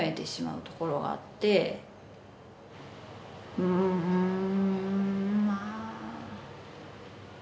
うんまあ。